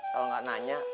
kalau gak nanya